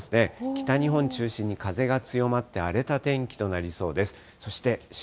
北日本中心に風が強まって、荒れた天気となりそうです。